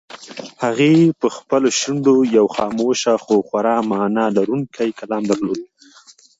هغې په خپلو شونډو یو خاموش خو خورا مانا لرونکی کلام درلود.